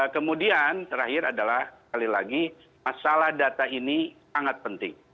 kemudian terakhir adalah sekali lagi masalah data ini sangat penting